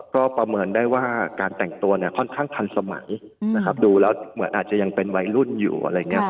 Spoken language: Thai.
ก็ประเมินได้ว่าการแต่งตัวค่อนข้างทันสมัยดูแล้วเหมือนอาจจะยังเป็นวัยรุ่นอยู่